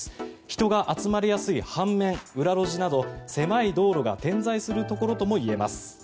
人が集まりやすい半面裏路地など狭い道路が点在するところともいえます。